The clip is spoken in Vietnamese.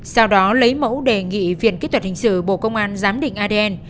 sau đó lấy mẫu đề nghị viện kỹ thuật hình sự bộ công an giám định adn